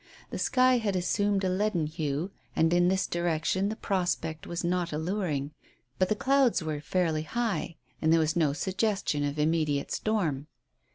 The sky had assumed a leaden hue, and in this direction the prospect was not alluring, but the clouds were fairly high and there was no suggestion of immediate storm.